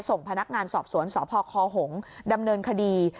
ส่งพนักงานสอบสวนสพคหงษ์ดำเนินคดี